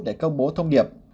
để công bố thông điệp